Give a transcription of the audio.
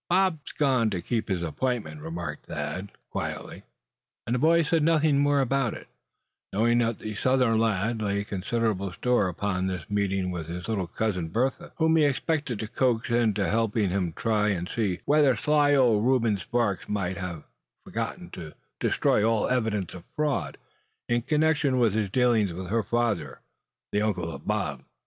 "Bob's gone to keep his appointment," remarked Thad, quietly. And the boys said nothing more about it, knowing that the Southern lad laid considerable store upon this meeting with his little cousin Bertha; whom he expected to coax in to helping him try and see whether sly old Reuben Sparks might not have forgotten to destroy all evidence of fraud, in connection with his dealings with her father, the uncle of Bob.